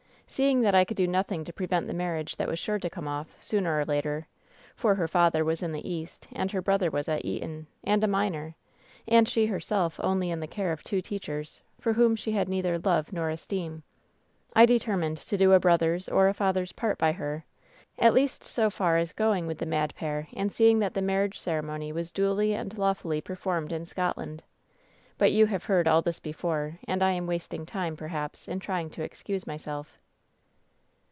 Seeing that I could do nothing to prevent the marriage that was sure to come off, sooner or later — for her father was in tJie East, and her brother was at Eton, and a minor, and she herself only in the care of two teachers for whom she had neither love nor esteem — I determined to do a brother's or a father's part by her, at least so far as going with the mad pair and seeing that the marriage ceremony was duly and lawfully performed in Scotland. But you have heard all this before, and I am wasting time, perhaps, in trying to excuse myself."